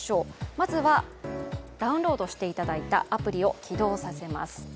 まずはダウンロードしていただいたアプリを起動します。